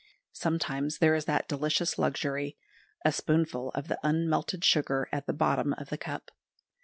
Sometimes there is that delicious luxury, a spoonful of the unmelted sugar at the bottom of the cup.